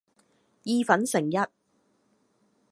意粉剩一